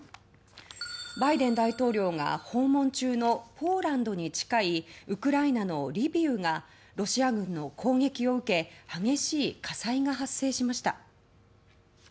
バイデン大統領が訪問中のポーランドに近いウクライナのリビウがロシア軍の攻撃を受け激しい火災が発生しました。